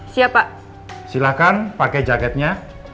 siap pak silakan pakai jaketnya